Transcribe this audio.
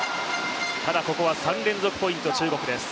ただここは３連続ポイント、中国です。